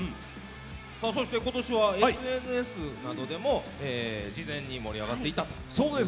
今年はＳＮＳなどでも事前に盛り上がっていたということで。